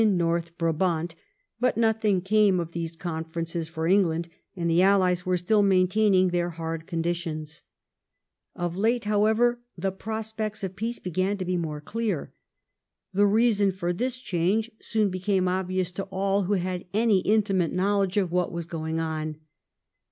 North Brabant, but nothing came of these conferences, for England and the Allies were still maintaining their hard conditions . Of late, however, the prospects of peace began to be more clear. The reason for this change soon became obvious to all who had any intimate knowledge of what was going on.